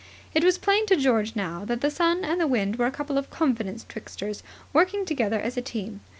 It was plain to George now that the sun and the wind were a couple of confidence tricksters working together as a team.